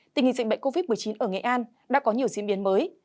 tình hình dịch bệnh covid một mươi chín ở nghệ an đã có nhiều diễn biến mới